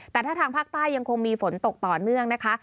แต่ถ้าทางภาคใต้ยังคงมีฝนตกต่อเนื่องนะคะ